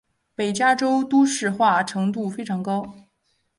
北加州都市化程度非常高。